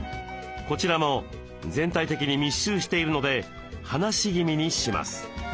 こちらも全体的に密集しているので離し気味にします。